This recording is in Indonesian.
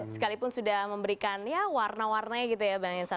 sekalipun sudah memberikan ya warna warnanya gitu ya bang hensa